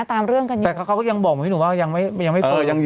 ตามเรื่องกันอยู่แต่เขาก็ยังบอกมายุนว่ายังไม่ยังไม่เวลา